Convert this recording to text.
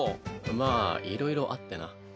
まあいろいろあってな。